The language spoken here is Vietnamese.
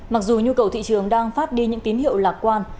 mặc dù nhu cầu thị trường đang phát đi những tín hiệu lạc quan